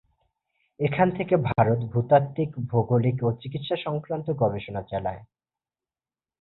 এখান থেকে ভারত ভূতাত্ত্বিক, ভৌগোলিক ও চিকিৎসা-সংক্রান্ত গবেষণা চালায়।